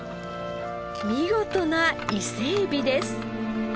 見事な伊勢エビです。